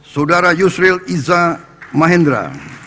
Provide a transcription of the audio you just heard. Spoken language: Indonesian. saudara yusril izzah mahendra